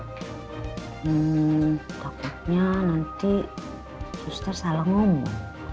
hmm takutnya nanti suster salah ngomong